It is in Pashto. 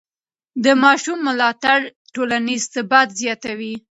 د ماشوم ملاتړ ټولنیز ثبات زیاتوي.